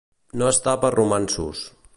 No estar per romanços.